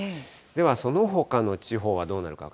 ではそのほかの地方はどうなるか。